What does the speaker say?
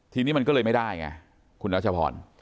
ทีนี้มันก็เลยไม่ได้ไงคุณรัชพร